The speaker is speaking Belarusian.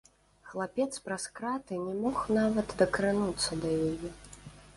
Хлапец праз краты не мог нават дакрануцца да яе.